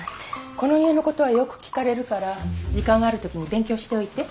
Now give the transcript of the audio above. この家のことはよく聞かれるから時間がある時に勉強しておいて。